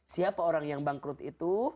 siapa orang yang bangkrut itu